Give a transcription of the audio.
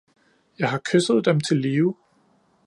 Jeg har kysset dem til live